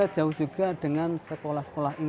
jauh juga dengan sekolah sekolah